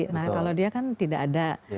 nah kalau dia kan tidak ada